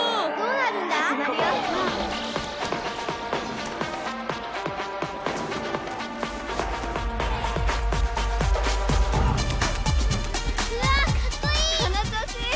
うわかっこいい！